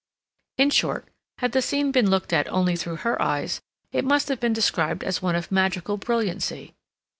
In short, had the scene been looked at only through her eyes, it must have been described as one of magical brilliancy.